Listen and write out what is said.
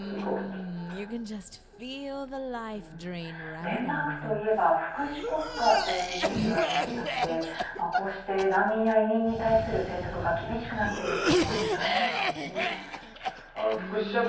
デンマークといえば福祉国家というイメージがありましたのでこうして難民や移民に対する政策が厳しくなっているというのはあの福祉社会